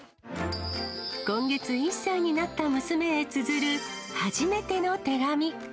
今月１歳になった娘へつづる初めての手紙。